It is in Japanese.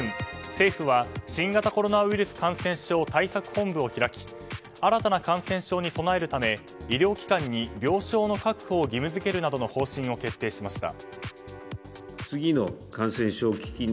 政府は新型コロナウイルス感染症対策本部を開き新たな感染症に備えるため医療機関に病床の確保を義務付けるなどの方針を決定しました。